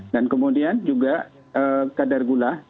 dan kemudian juga kadar gula